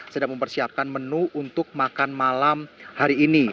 sedang mempersiapkan menu untuk makan malam hari ini